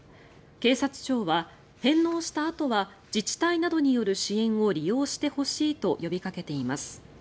警察庁は返納したあとは自治体などによる支援を利用してほしいと呼びかけています。